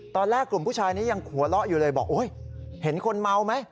ตอนแรกกลุ่มผู้ชายนี้ยังหัวเราะอยู่เลยบอกโอ๊ยเห็นคนเมาไหม